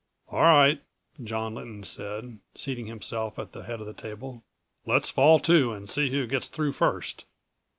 "All right," John Lynton said, seating himself at the head of the table. "Let's fall to and see who gets through first."